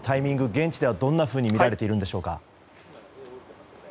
現地ではどんなふうにみられているのでしょうか。